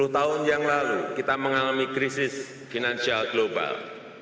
sepuluh tahun yang lalu kita mengalami krisis finansial global